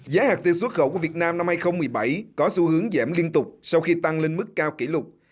giá hạt tiêu xuất khẩu của việt nam năm hai nghìn một mươi bảy có xu hướng giảm liên tục sau khi tăng lên mức cao kỷ lục